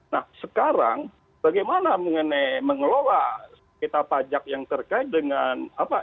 nah sekarang bagaimana mengenai mengelola kita pajak yang terkait dengan apa